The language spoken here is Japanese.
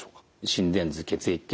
心電図血液検査